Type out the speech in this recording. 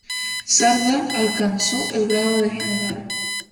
Sardá alcanzó el grado de general.